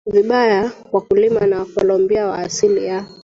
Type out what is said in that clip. vibaya wakulima na Wakolombia wa asili ya